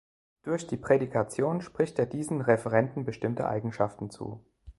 Durch die Prädikation spricht er diesen Referenten bestimmte Eigenschaften zu.